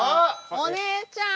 お姉ちゃん！